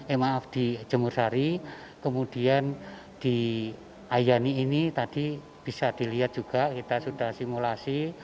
eh maaf di jemur sari kemudian di ayani ini tadi bisa dilihat juga kita sudah simulasi